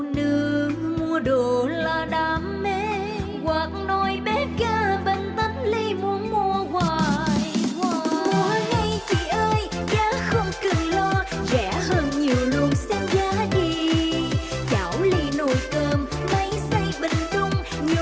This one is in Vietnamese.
nồi cơm máy xay bình thường